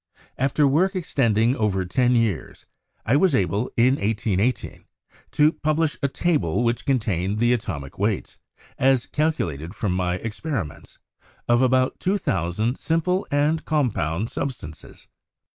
... After work extending over ten years ... I was able in 1818 to publish a table which contained the atomic weights, as calculated from my experiments, of about 2,000 simple and compound substances."